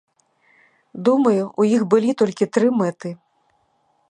Думаю, у іх былі толькі тры мэты.